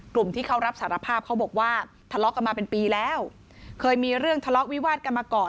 กลุ่มที่เขารับสารภาพเขาบอกว่าทะเลาะกันมาเป็นปีแล้วเคยมีเรื่องทะเลาะวิวาดกันมาก่อน